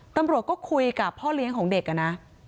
ตำรวจก็คุยกับพ่อเลี้ยงของเด็กนะ